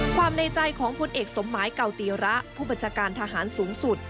ในใจของผลเอกสมหมายเก่าตีระผู้บัญชาการทหารสูงสุด